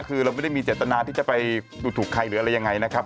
คือเราไม่ได้มีเจตนาที่จะไปดูถูกใครหรืออะไรยังไงนะครับ